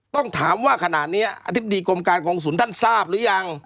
ต้องถามว่าขณะนี้อธิบดีกรมการกองศูนย์ท่านทราบหรือยัง